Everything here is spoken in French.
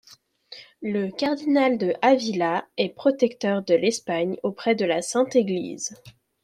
Le cardinal de Ávila est protecteur de l'Espagne auprès de la Sainte-Église.